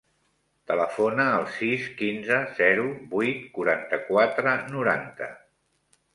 Telefona al sis, quinze, zero, vuit, quaranta-quatre, noranta.